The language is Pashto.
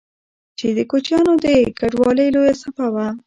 چې د کوچيانو د کډوالۍ لويه څپه وه